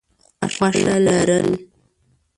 خوښه لرل: